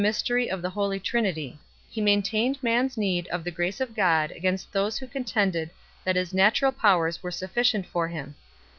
mystery of the Holy Trinity; he maintained man s need of the grace of God against those who contended that his natural powers were sufficient for him.